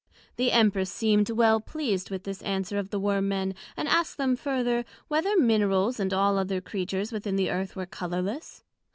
The Empress seem'd well pleased with this answer of the Worm men; and asked them further, Whether Minerals and all other Creatures within the Earth were colourless?